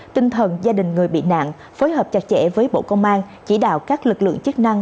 tinh thần gia đình người bị nạn phối hợp chặt chẽ với bộ công an chỉ đạo các lực lượng chức năng